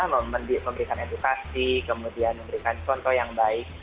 memberikan edukasi kemudian memberikan contoh yang baik